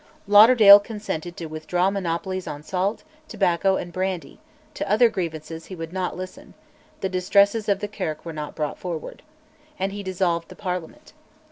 Lauderdale consented to withdraw monopolies on salt, tobacco, and brandy; to other grievances he would not listen (the distresses of the Kirk were not brought forward), and he dissolved the Parliament.